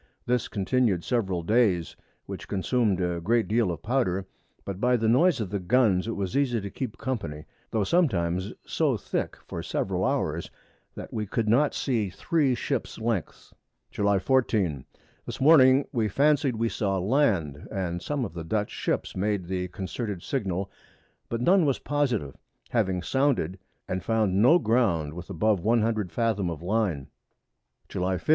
This continu'd several Days, which consumed a great deal of Powder, but by the Noise of the Guns it was easy to keep Company, tho' sometimes so thick for several Hours, that we could not see three Ships Lengths. July 14. This Morning we fancied we saw Land, and some of the Dutch Ships made the concerted Signal, but none was positive, having sounded, and found no Ground with above 100 Fathom of Line. _July 15.